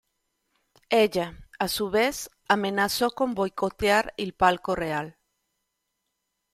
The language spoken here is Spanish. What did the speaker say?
Ella, a su vez, amenazó con boicotear el Palco Real.